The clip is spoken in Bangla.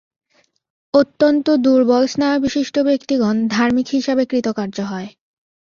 অত্যন্ত দুর্বল-স্নায়ুবিশিষ্ট ব্যক্তিগণ ধার্মিক হিসাবে কৃতকার্য হয়।